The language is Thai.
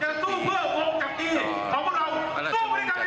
สู้ไปด้วยกันพี่น้องครับขออนุญาตบอกครับเพียงครับ